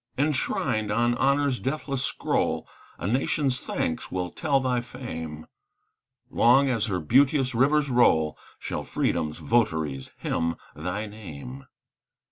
Enshrined on Honor's deathless scroll, A nation's thanks will tell thy fame; Long as her beauteous rivers roll Shall Freedom's votaries hymn thy name.